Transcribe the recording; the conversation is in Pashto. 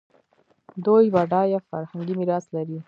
دوی بډایه فرهنګي میراث لري.